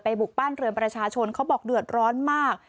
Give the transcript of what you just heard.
บุกบ้านเรือนประชาชนเขาบอกเดือดร้อนมาก